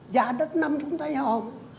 dạ đất nằm trong tay họ